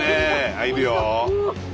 入るよ。